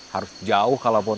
harus jauh kalaupun